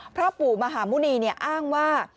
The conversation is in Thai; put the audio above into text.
เพราะปู่มหาหมุนีเนี่ยอ้างว่า